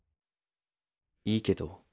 いいけど。